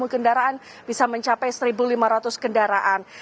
kendaraan bisa mencapai satu lima ratus kendaraan